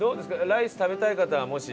ライス食べたい方はもし。